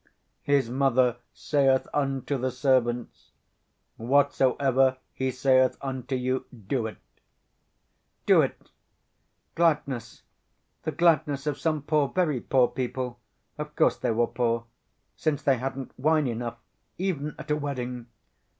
_ "His mother saith unto the servants, Whatsoever he saith unto you, do it" ... "Do it.... Gladness, the gladness of some poor, very poor, people.... Of course they were poor, since they hadn't wine enough even at a wedding....